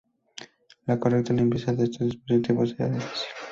La correcta limpieza de estos dispositivos era difícil.